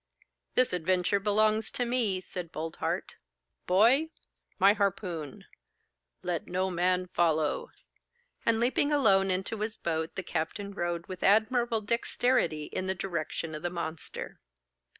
'This adventure belongs to me,' said Boldheart. 'Boy, my harpoon. Let no man follow;' and leaping alone into his boat, the captain rowed with admirable dexterity in the direction of the monster.